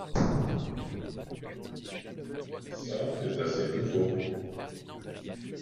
Ça c’est assez nouveau.